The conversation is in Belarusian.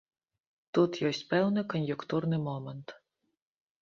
Тут ёсць пэўны кан'юнктурны момант.